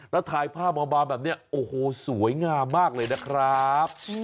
แล้วถ่ายภาพออกมาแบบนี้โอ้โหสวยงามมากเลยนะครับ